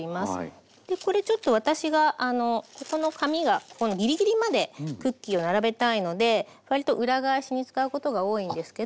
これちょっと私がここの紙がギリギリまでクッキーを並べたいので割と裏返しに使うことが多いんですけど。